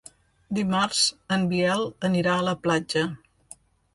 Dimarts en Biel anirà a la platja.